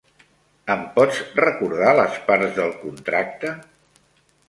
Em pots recordar les parts del contracte?